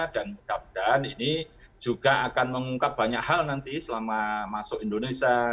dan mudah mudahan ini juga akan mengungkap banyak hal nanti selama masuk indonesia